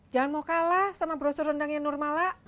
jangan mau kalah sama brosur rendang yang normal la